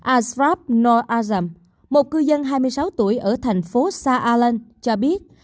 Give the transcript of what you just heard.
ashraf noor azam một cư dân hai mươi sáu tuổi ở thành phố sa alan cho biết